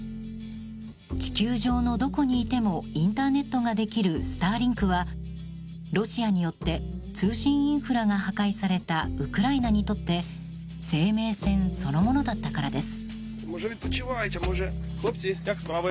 地球上のどこにいてもインターネットができるスターリンクは、ロシアによって通信インフラが破壊されたウクライナにとって生命線そのものだったからです。